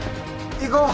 行こう。